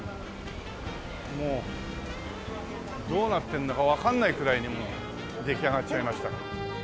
もうどうなってるんだかわかんないくらいにもう出来上がっちゃいました。